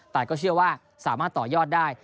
แต่ก็เชื่อว่าสามารถต่อยอดได้